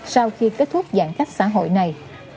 sau khi kết thúc giãn cách xã hội này